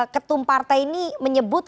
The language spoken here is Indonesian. ketumparta ini menyebut